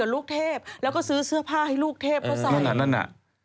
เราก็ซื้อเสื้อผ้าให้ลูกเทพแล้วใส่